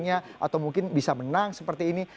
atau mungkin bisa menang seperti ini